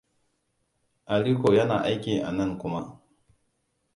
Aliko yana aiki anan, kuma.